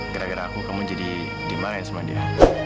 gara gara aku kamu jadi dimarahi semua dia